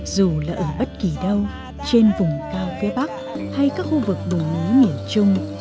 dù là ở bất kỳ đâu trên vùng cao phía bắc hay các khu vực đồi núi miền trung